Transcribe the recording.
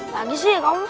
lagi sih kamu